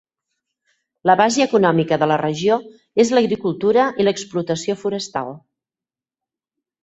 La base econòmica de la regió és l'agricultura i l'explotació forestal.